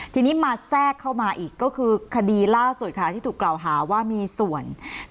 ทีนี้มาแทรกเข้ามาอีกก็คือคดีล่าสุดค่ะที่ถูกกล่าวหาว่ามีส่วน